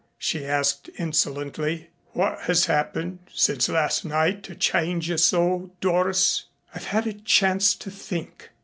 she asked insolently. "What has happened since last night to change you so, Doris?" "I've had a chance to think."